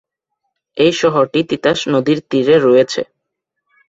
এই শহরটি তিতাস নদীর তীরে রয়েছে।